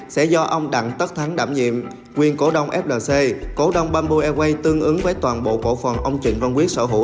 sẽ do ông đặng tất thắng đảm nhiệm nguyên cổ đông flc cổ đông bamboo airways tương ứng với toàn bộ cổ phần ông trịnh văn quyết sở hữu